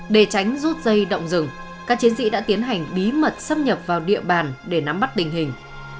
để tránh rút dây động rừng các chiến sĩ đã tiến hành bí mật xâm nhập vào địa bàn để nắm bắt tình hình